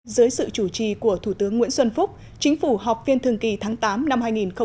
dưới sự chủ trì của thủ tướng nguyễn xuân phúc chính phủ họp phiên thường kỳ tháng tám năm hai nghìn một mươi chín